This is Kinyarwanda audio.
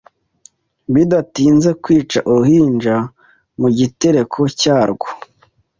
Bidatinze kwica uruhinja mu gitereko cyarwo